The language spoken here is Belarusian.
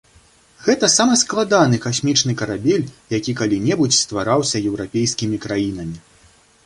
Гэта самы складаны касмічны карабель, які калі-небудзь ствараўся еўрапейскімі краінамі.